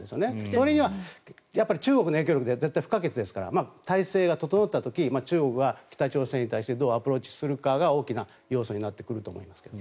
それには中国の影響力は不可欠ですから体制が整った時中国は北朝鮮に対してどうアプローチするかが大きな要素になってくると思います。